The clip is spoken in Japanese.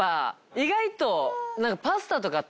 意外と。